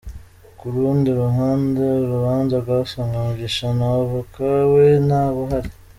Ku rundi ruhande, urubanza rwasomwe Mugisha na Avoka we nta bahari.